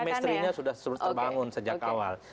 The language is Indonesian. kemistrinya sudah terbangun sejak awal